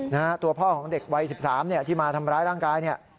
นะฮะตัวพ่อของเด็กวัย๑๓ที่มาทำร้ายร่างกาย